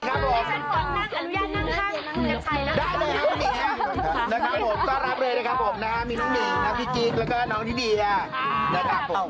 ก็รับเลยนะครับผมนะมีน้องนี่น้องพี่กิ๊กแล้วก็น้องนี่ดีนะครับ